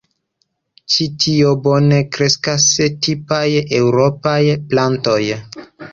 Ĉi ti bone kreskas tipaj eŭropaj plantoj.